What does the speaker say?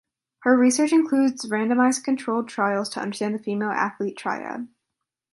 Her research includes randomized controlled trials to understand the female athlete triad.